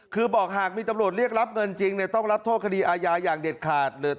คือบอกหากมีตำรวจเรียกรับเงินจริงต้องรับโทษคดีอาญาอย่างเด็ดขาด